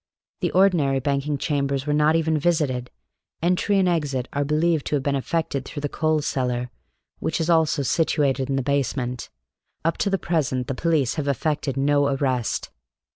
The ordinary banking chambers were not even visited; entry and exit are believed to have been effected through the coal cellar, which is also situated in the basement. Up to the present the police have effected no arrest.